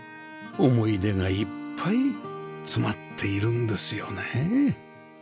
思い出がいっぱい詰まっているんですよねえ